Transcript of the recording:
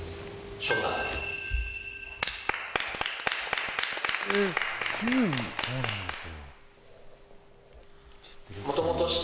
そうなんですよ。